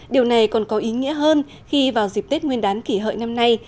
điều này còn có ý nghĩa hơn khi vào dịp tết nguyên đán kỷ hợi năm nay